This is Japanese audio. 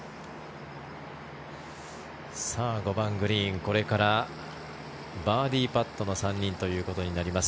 ５番グリーン、これからバーディーパットの３人となります。